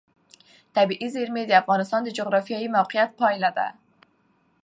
طبیعي زیرمې د افغانستان د جغرافیایي موقیعت پایله ده.